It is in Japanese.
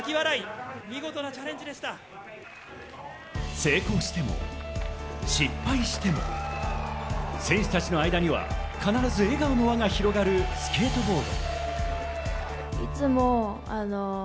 成功しても失敗しても選手たちの間には必ず笑顔の輪が広がるスケートボード。